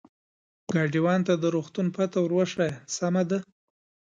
ګاډیوان ته د روغتون پته ور وښیه، سمه ده.